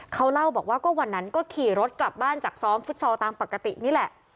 เขาเล่าบอกว่าก็วันนั้นก็ขี่รถกลับบ้านจากซ้อมฟุตซอลตามปกตินี่แหละ